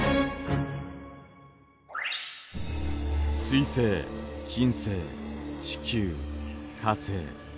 水星金星地球火星。